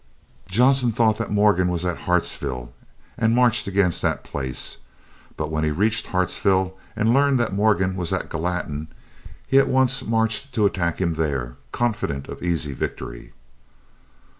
Johnson thought that Morgan was at Hartsville, and marched against that place. But when he reached Hartsville and learned that Morgan was at Gallatin, he at once marched to attack him there, confident of easy victory.